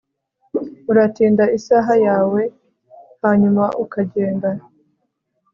Uratinda isaha yawe hanyuma ukagenda